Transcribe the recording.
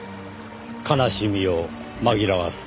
悲しみを紛らわすため？